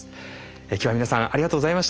今日は皆さんありがとうございました。